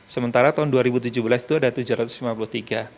sementara tahun dua ribu tujuh belas itu ada tujuh ratus lima puluh tiga